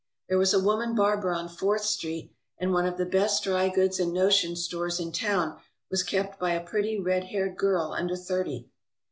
There was a woman barber on Fourth Street and one of the best dry goods and notions stores in town was kept by a pretty red haired girl under thirty.